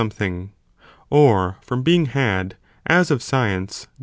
457 something,*) or from being had, as of science, the « yj.